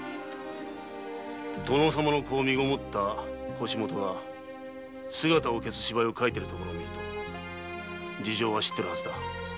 “殿様の子を身籠った腰元が姿を消す”芝居を書いているところをみると事情は知ってるはずだ。